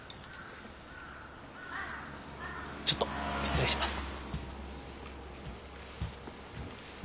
ちょっと失礼します。